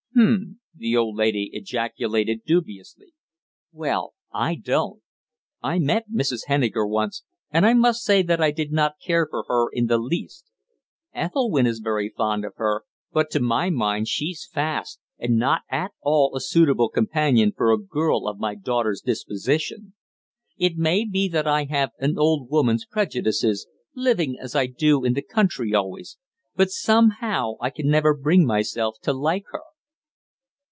"H'm," the old lady ejaculated dubiously. "Well, I don't. I met Mrs. Henniker once, and I must say that I did not care for her in the least. Ethelwynn is very fond of her, but to my mind she's fast, and not at all a suitable companion for a girl of my daughter's disposition. It may be that I have an old woman's prejudices, living as I do in the country always, but somehow I can never bring myself to like her."